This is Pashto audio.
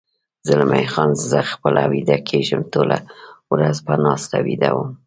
زلمی خان: زه خپله ویده کېږم، ټوله ورځ په ناسته ویده وم.